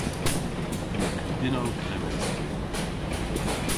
Yma kudynnow klewes dhyn.